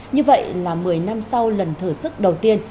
như vậy là một mươi năm sau lần thử sức đầu tiên